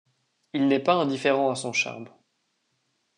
Il n'est pas indifférent à son charme.